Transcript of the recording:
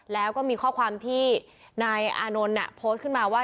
แล้วก็มีข้อความที่นายอานนท์โพสต์ขึ้นมาว่า